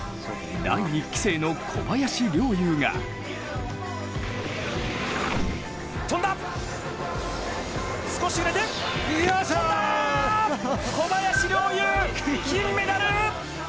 第１期生の小林陵侑が小林陵侑、金メダル！